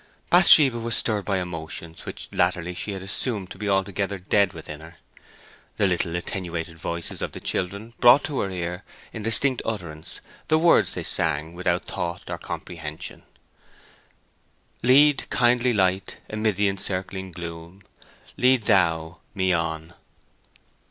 Bathsheba was stirred by emotions which latterly she had assumed to be altogether dead within her. The little attenuated voices of the children brought to her ear in distinct utterance the words they sang without thought or comprehension— Lead, kindly Light, amid the encircling gloom, Lead Thou me on.